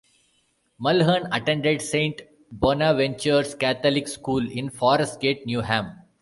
Mulhern attended Saint Bonaventure's Catholic School in Forest Gate, Newham.